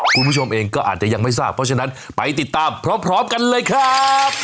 คุณผู้ชมเองก็อาจจะยังไม่ทราบเพราะฉะนั้นไปติดตามพร้อมกันเลยครับ